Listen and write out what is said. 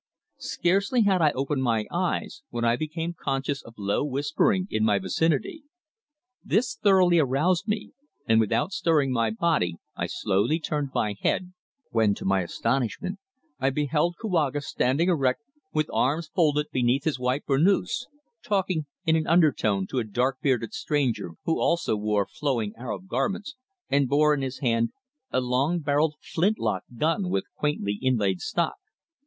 Scarcely had I opened my eyes when I became conscious of low whispering in my vicinity. This thoroughly aroused me, and without stirring my body I slowly turned my head, when to my astonishment I beheld Kouaga, standing erect with arms folded beneath his white burnouse, talking in an undertone to a dark bearded stranger who also wore flowing Arab garments and bore in his hand a long barrelled flint lock gun with quaintly inlaid stock.